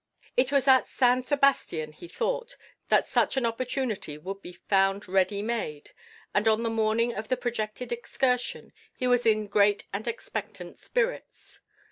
It was at San Sebastian, he thought, that such an opportunity would be found ready made, and on the morning of the projected excursion he was in great and expectant spirits.